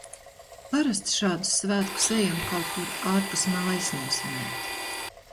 Parasti šādus svētkus ejam kaut kur ārpus mājas nosvinēt.